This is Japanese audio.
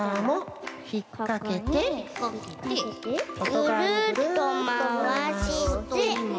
ぐるっとまわして。